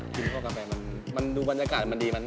กินข้าวกาแฟมันดูบรรยากาศมันดี